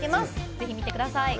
ぜひ見てください。